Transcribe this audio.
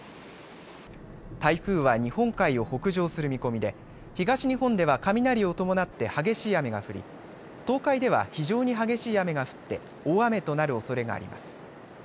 台風は日本海を北上する見込みで東日本では雷を伴って激しい雨が降り東海では非常に激しい雨が降って大雨となるおそれがあります。